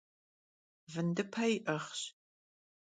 Vındıpe yi'ığş.